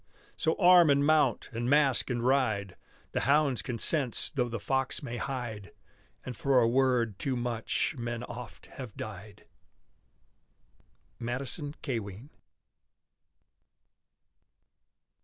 So arm and mount! and mask and ride! The hounds can sense though the fox may hide! And for a word too much men oft have died. MADISON CAWEIN.